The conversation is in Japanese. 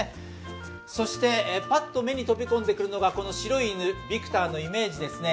そしてパッと目に飛び込んでくるのが白い犬、ビクターのイメージ犬ですね。